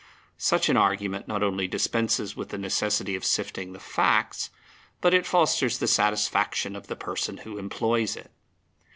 Such an argument not only dispenses with the necessity of sifting the facts, but it fosters the satisfaction of the person who employs it.